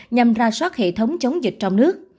nhằm ra soát hệ thống chống dịch trong nước